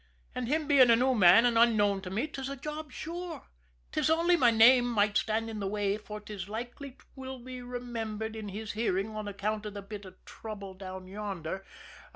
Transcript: And him being a new man and unknown to me, 'tis a job sure. 'Tis only my name might stand in the way, for 'tis likely 'twill be mentioned in his hearing on account of the bit of trouble down yonder.